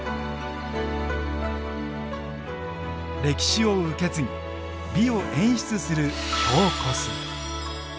歴史を受け継ぎ美を演出する京コスメ。